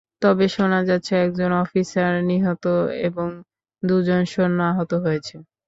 তবে শোনা যাচ্ছে, একজন অফিসার নিহত এবং দুজন সৈন্য আহত হয়েছে।